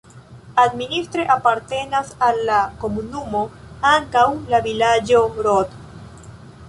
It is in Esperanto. Administre apartenas al la komunumo ankaŭ la vilaĝo Rod.